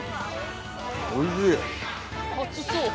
おいしい！